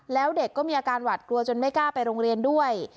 แล้วเด็กก็มีอาการหวัดกลัวจนไม่กล้าไปโรงเรียนด้วย